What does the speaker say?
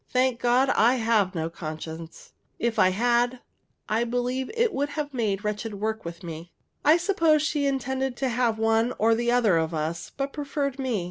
Thank God, I have no conscience. If I had, I believe it would make wretched work with me. I suppose she intended to have one or the other of us, but preferred me.